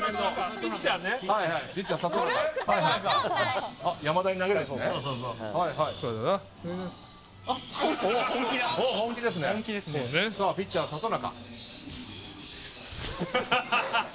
ピッチャー里中。